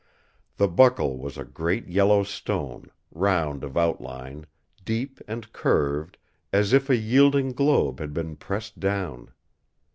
The buckle was a great yellow stone, round of outline, deep and curved, as if a yielding globe had been pressed down.